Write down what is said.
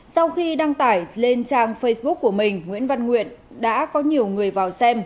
sau khi đăng tải lên trang facebook của mình nguyễn văn nguyện đã có nhiều người vào xem